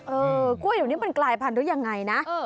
เออกล้วยอยู่นี้มันกลายพันธุ์ยังไงนะ